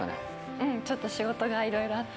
うん、ちょっと仕事がいろいろあって。